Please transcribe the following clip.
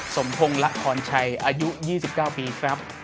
สมพงค์รัฐพลชัยอายุ๒๙ปีครับ